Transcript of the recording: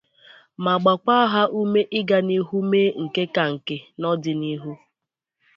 ma gbakwa ha ume ịga n'ihu mee nke ka nke n'ọdịnihu